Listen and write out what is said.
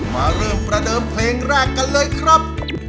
มาเริ่มประเดิมเพลงแรกกันเลยครับ